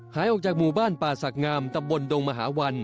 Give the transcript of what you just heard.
หายออกจากหมู่บ้านป่าศักดิ์งามตำบลดงมหาวัน